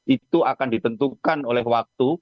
itu akan ditentukan oleh waktu